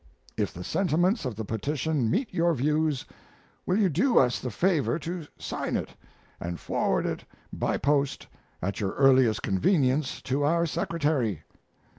If the sentiments of the petition meet your views, will you do us the favor to sign it and forward it by post at your earliest convenience to our secretary?